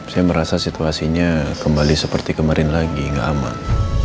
saya merasa situasinya kembali seperti kemarin lagi nggak aman